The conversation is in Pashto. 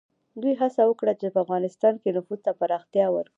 دوی هڅه وکړه چې په افغانستان کې نفوذ ته پراختیا ورکړي.